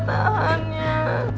tak tahan ya